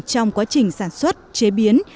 trong quá trình sản xuất chế biến